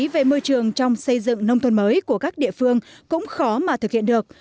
về môi trường trong xây dựng nông thôn mới của các địa phương cũng khó mà thực hiện được